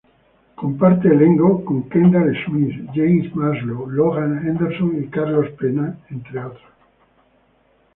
Comparte elenco con Kendall Schmidt, James Maslow, Logan Henderson y Carlos Pena, entre otros.